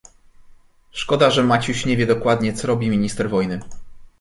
"Szkoda, że Maciuś nie wie dokładnie, co robi minister wojny."